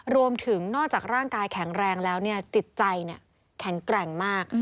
รวมถึงนอกจากร่างกายแข็งแรงแล้วจิตใจแข็งแกร่งมาก